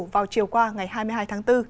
vào chiều qua ngày hai mươi hai tháng bốn